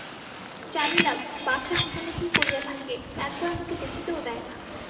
জানি না, বাছা সেখানে কী করিয়া থাকে, একবার আমাকে দেখিতেও দেয় না।